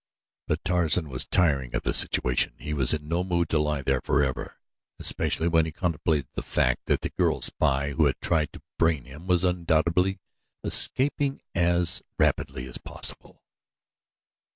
But Tarzan was tiring of the situation. He was in no mood to lie there forever, especially when he contemplated the fact that the girl spy who had tried to brain him was undoubtedly escaping as rapidly as possible.